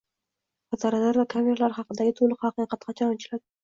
Fotoradar va kameralar haqidagi to‘liq haqiqat qachon ochiladi?